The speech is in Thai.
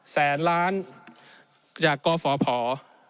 ในช่วงที่สุดในรอบ๑๖ปี